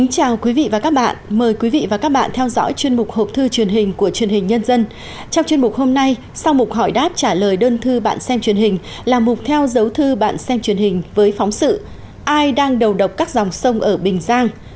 chào mừng quý vị đến với bộ phim hãy nhớ like share và đăng ký kênh của chúng mình nhé